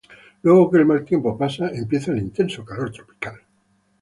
Luego que el mal tiempo pasa empieza el intenso calor tropical.